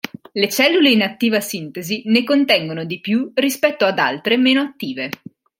Le cellule in attiva sintesi ne contengono di più rispetto ad altre meno attive.